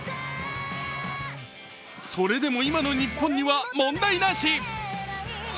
それでも今の日本には問題なし。